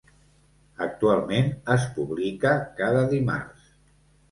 Actualment es publica cada dimarts.